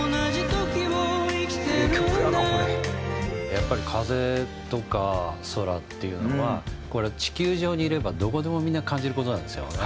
やっぱり風とか空っていうのはこれは地球上にいればどこでもみんな感じる事なんですよね。